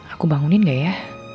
aku bangunin gak ya